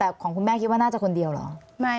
แต่ของคุณแม่คิดว่าน่าจะคนเดียวเหรอ